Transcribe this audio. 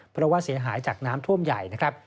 เพราะว่าเสียหายจากน้ำท่วมใหญ่นะครับ